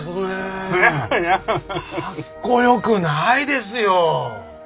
かっこよくないですよ！